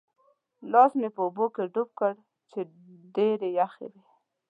لاس مې په اوبو کې ډوب کړ چې ډېرې یخې وې.